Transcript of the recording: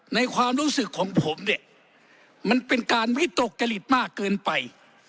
ในความรู้สึกของผมเนี่ยมันเป็นการวิตกจริตมากเกินไป